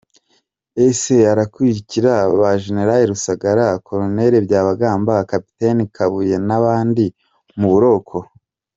Ese arakurikira ba Gen Rusagara, Col Byabagamba, Capt Kabuye n’abandi mu buroko?